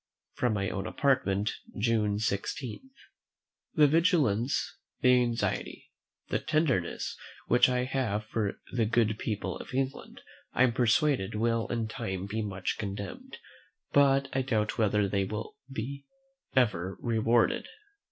From my own Apartment, June 16. The vigilance, the anxiety, the tenderness, which I have for the good people of England, I am persuaded, will in time be much commended; but I doubt whether they will be ever rewarded.